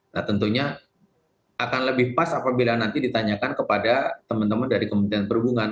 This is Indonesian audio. nah tentunya akan lebih pas apabila nanti ditanyakan kepada teman teman dari kementerian perhubungan